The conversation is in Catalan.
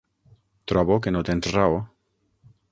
Trobo que no tens raó.